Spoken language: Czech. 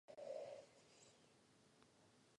Oblíbená je také turistika a horolezectví.